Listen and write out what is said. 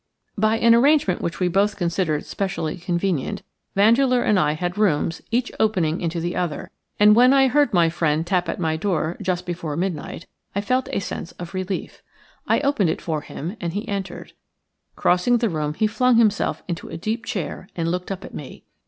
By an arrangement which we both considered specially convenient Vandeleur and I had rooms each opening into the other, and when I heard my friend tap at my door just before midnight I felt a sense of relief. I opened it for him and he entered. Crossing the room he flung himself into a deep chair and looked up at me.